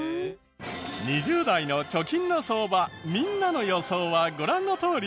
２０代の貯金の相場みんなの予想はご覧のとおり。